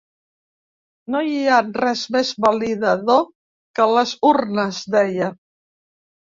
No hi ha res més validador que les urnes, deia.